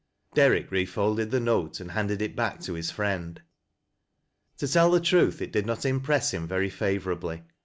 Derrick refolded the note and handed it back to his friend. To tell the truth, it did not impress him very favorably.